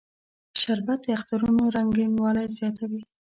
شربت د اخترونو رنگینوالی زیاتوي